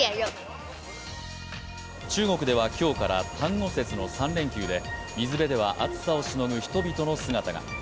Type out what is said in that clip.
中国では今日から端午節の３連休で水辺では暑さをしのぐ人々の姿が。